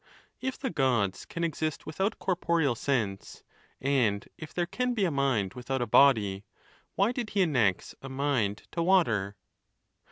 If the Gods can exist without corporeal sense, and if there can be a mind without a body, why did he annex a mind to water